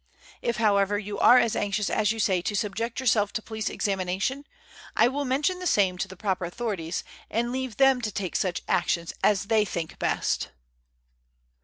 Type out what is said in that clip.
If, however, you are as anxious as you say to subject yourself to police examination, I will mention the same to the proper authorities, and leave them to take such action as they think best."